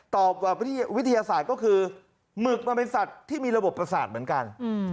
วิทยาศาสตร์ก็คือหมึกมันเป็นสัตว์ที่มีระบบประสาทเหมือนกัน